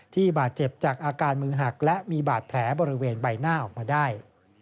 บาดเจ็บจากอาการมือหักและมีบาดแผลบริเวณใบหน้าออกมาได้